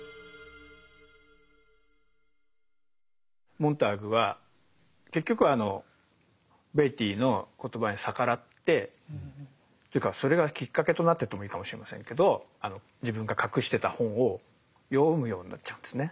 モンターグは結局はあのベイティーの言葉に逆らってというかそれがきっかけとなってとも言えるかもしれませんけど自分が隠してた本を読むようになっちゃうんですね。